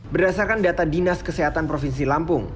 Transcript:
berdasarkan data dinas kesehatan provinsi lampung